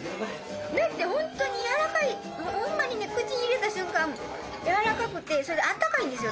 だってホントにやわらかいホンマにね口に入れた瞬間やわらかくてそれであったかいんですよ